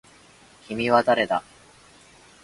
君は誰だ